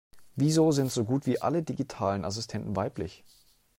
Wieso sind so gut wie alle digitalen Assistenten weiblich?